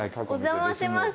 お邪魔します。